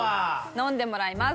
飲んでもらいます。